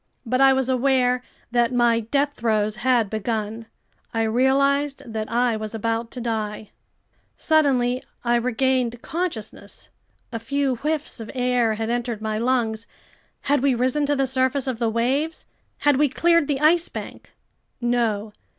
But I was aware that my death throes had begun. I realized that I was about to die ... Suddenly I regained consciousness. A few whiffs of air had entered my lungs. Had we risen to the surface of the waves? Had we cleared the Ice Bank? No!